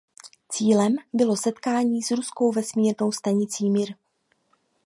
Cílem bylo setkání s ruskou vesmírnou stanicí Mir.